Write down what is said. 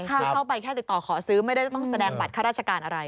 คือเข้าไปแค่ติดต่อขอซื้อไม่ได้ต้องแสดงบัตรข้าราชการอะไร